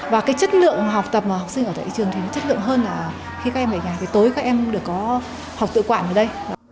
và cái chất lượng học tập mà học sinh ở tại trường thì nó chất lượng hơn là khi các em ở nhà thì tối các em được có học tự quản ở đây